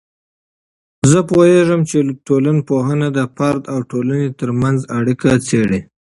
زه پوهیږم چې ټولنپوهنه د فرد او ټولنې ترمنځ اړیکه څیړي.